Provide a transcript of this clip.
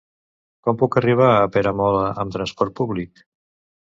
Com puc arribar a Peramola amb trasport públic?